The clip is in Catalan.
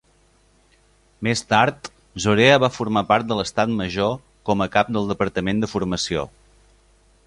Més tard, Zorea va formar part de l'Estat Major com a cap del departament de formació.